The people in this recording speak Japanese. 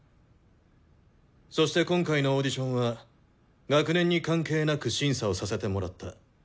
そして今回のオーディションは学年に関係なく審査をさせてもらった。